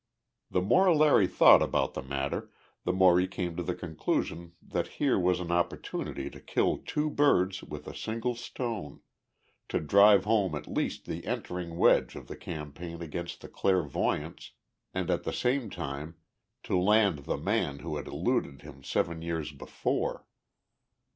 The more Larry thought about the matter, the more he came to the conclusion that here was an opportunity to kill two birds with a single stone to drive home at least the entering wedge of the campaign against the clairvoyants and at the same time to land the man who had eluded him seven years before.